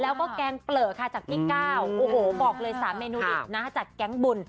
แล้วก็แกงเปลือกค่ะจากพี่ก้าวโอ้โหบอกเลย๓เมนูเด็ดนะจากแก๊งบุญ